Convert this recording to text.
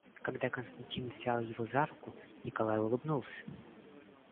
Когда Константин взял его за руку, Николай улыбнулся.